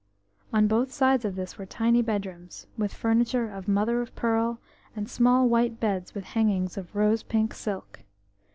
On both sides of this were tiny bedrooms, with furniture of mother of pearl and small white beds with hangings of rose pink silk.